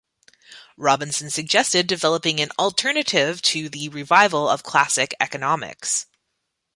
Robinson suggested developing an alternative to the revival of classical economics.